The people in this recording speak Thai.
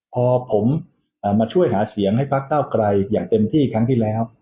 พอผมมาช่วยหาเสียงให้พักเก้าไกลอย่างเต็มที่ครั้งที่แล้ว